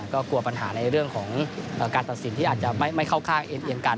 ก็กลัวปัญหาในเรื่องของการตัดสินที่อาจจะไม่เข้าข้างเอ็นเอียงกัน